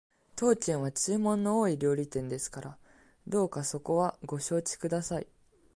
当軒は注文の多い料理店ですからどうかそこはご承知ください